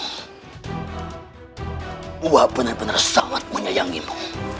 wah benar benar sangat menyayangimu